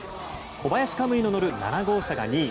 小林可夢偉が乗る７号車が２位。